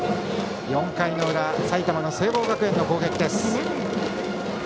４回の裏、埼玉の聖望学園の攻撃です。